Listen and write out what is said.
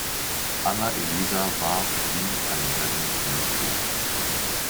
Anna-Elisa warf ihm einen Rettungsring zu.